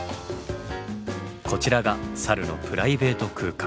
こちらがサルのプライベート空間。